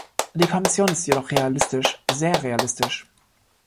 Die Kommission ist jedoch realistisch, sehr realistisch.